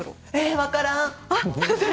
分からん。